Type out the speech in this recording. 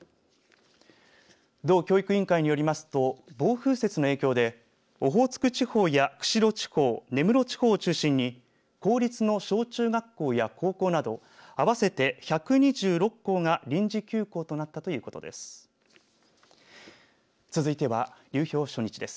道教育委員会によりますと暴風雪の影響でオホーツク地方や釧路地方根室地方を中心に公立の小中学校や高校など合わせて１２６校が臨時休校となったということです。